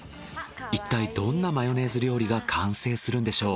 いったいどんなマヨネーズ料理が完成するんでしょう？